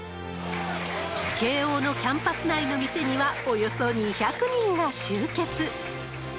慶応のキャンパス内の店には、およそ２００人が集結。